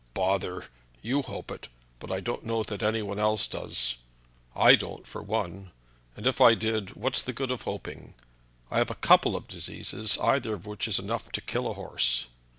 "Bother! you hope it, but I don't know that any one else does; I don't for one. And if I did, what's the good of hoping? I have a couple of diseases, either of which is enough to kill a horse."